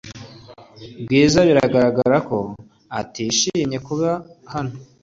Bwiza biragaragara ko atishimiye kuba hano .